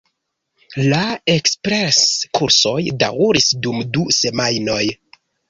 La ekspres-kursoj daŭris dum du semajnoj.